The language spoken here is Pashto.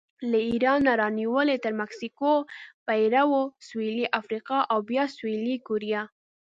له ایرانه رانیولې تر مکسیکو، پیرو، سویلي افریقا او بیا سویلي کوریا